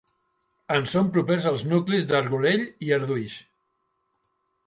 En són propers els nuclis d'Argolell i d'Arduix.